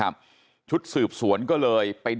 ทำให้สัมภาษณ์อะไรต่างนานไปออกรายการเยอะแยะไปหมด